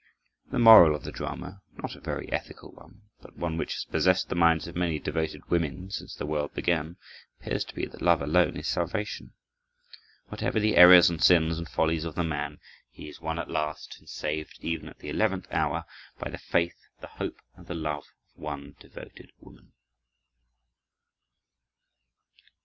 The moral of the drama, not a very ethical one, but one which has possessed the minds of many devoted women since the world began, appears to be that in love alone is salvation. Whatever the errors and sins and follies of the man, he is won at last and saved, even at the eleventh hour, by the faith, the hope, and the love of one devoted woman.